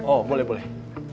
oh boleh boleh